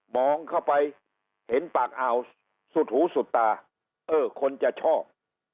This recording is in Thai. เข้าไปเห็นปากอ่าวสุดหูสุดตาเออคนจะชอบ